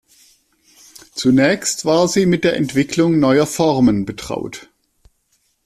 Zunächst war sie mit der Entwicklung neuer Formen betraut.